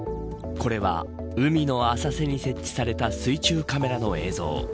これは海の浅瀬に設置された水中カメラの映像。